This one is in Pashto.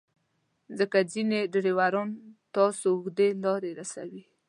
ځکه ځینې ډریوران تاسو اوږدې لارې رسوي.